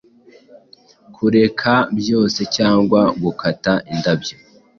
Kureka byoe cyangwa gukata indabyo